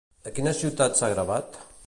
A quina ciutat s'ha gravat?